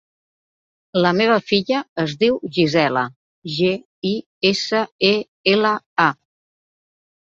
La meva filla es diu Gisela: ge, i, essa, e, ela, a.